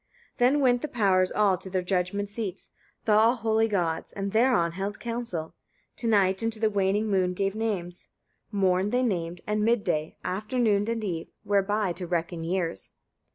6. Then went the powers all to their judgment seats, the all holy gods, and thereon held council: to night and to the waning moon gave names; morn they named, and mid day, afternoon and eve, whereby to reckon years.